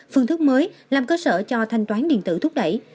phương thức mới làm cơ sở cho thanh toán điện tử thúc đẩy